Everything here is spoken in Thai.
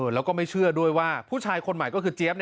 แล้วก็ไม่เชื่อด้วยว่าผู้ชายคนใหม่ก็คือเจี๊ยบ